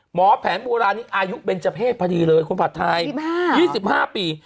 หมอแผนโบราณอายุเป็นเจ้าเพศพอดีเลยคุณผัดไทย๒๕ปี